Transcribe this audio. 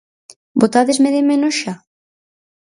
Botádesme de menos xa?